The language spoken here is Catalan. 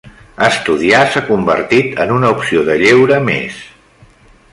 Estudiar s'ha convertit en una opció de lleure més.